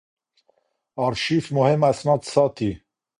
آرشیف مهم اسناد ساتي.